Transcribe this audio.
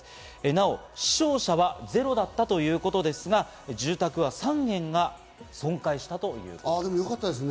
また死傷者はゼロだったということですが、住宅は３軒が損壊したということです。